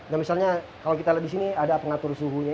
nah misalnya kalau kita lihat di sini ada pengatur suhunya